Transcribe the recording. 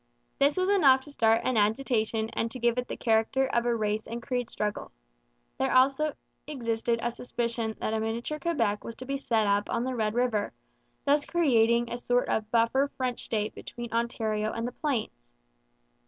This was enough to start an agitation and to give it the character of a race and creed struggle. There existed also a suspicion that a miniature Quebec was to be set up on the Red River, thus creating a sort of buffer French state between Ontario and the plains.